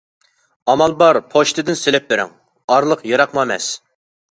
ئامال بار پوچتىدىن سېلىپ بىرىڭ، ئارىلىق يىراقمۇ ئەمەس.